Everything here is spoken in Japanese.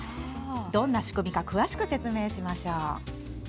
どんな仕組みか詳しく説明しますね。